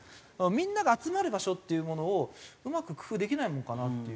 みんなが集まる場所っていうものをうまく工夫できないものかなっていう。